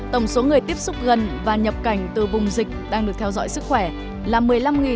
tổng số người tiếp xúc gần và nhập cảnh từ vùng dịch đang được theo dõi sức khỏe là một mươi năm ba mươi ba người